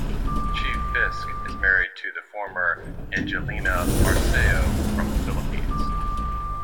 Chief Fisk is married to the former Angelina Arceo from the Philippines.